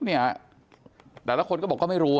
ก็เนี่ยหลายคนก็บอกก็ไม่รู้ค่ะ